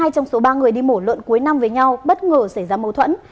hai trong số ba người đi mổ lợn cuối năm với nhau bất ngờ xảy ra mâu thuẫn